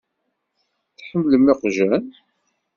Tḥemmlem iqjan?